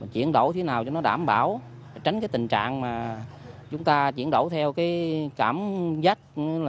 chuyển đổi thế nào cho nó đảm bảo tránh cái tình trạng mà chúng ta chuyển đổi theo cái cảm giác